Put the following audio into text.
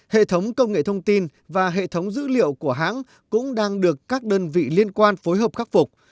hệ thống công nghệ thông tin và hệ thống dữ liệu của hãng cũng đang được các đơn vị liên quan phối hợp khắc phục